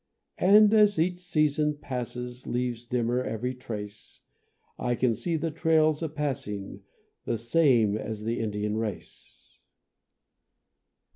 And as each season passes, Leaves dimmer every trace, I can see the trails a passing, The same as the Indian race.